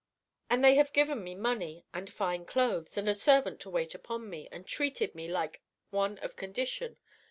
And they have given me money, and fine clothes, and a servant to wait upon me, and treated me like one of condition.